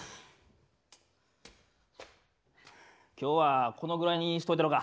今日はこのぐらいにしといたろか。